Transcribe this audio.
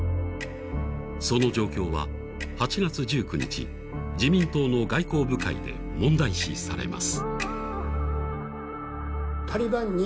その状況は８月１９日、自民党の外交部会で問題視されます。